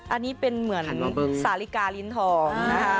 อันนี้เป็นเหมือนสาริกาลินทอง